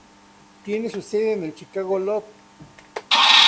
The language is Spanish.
Tiene su sede en el Chicago Loop.